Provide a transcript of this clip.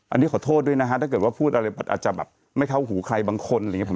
อันนี้ขอโทษด้วยนะฮะถ้าเกิดว่าพูดอะไรมันอาจจะแบบไม่เข้าหูใครบางคนอะไรอย่างนี้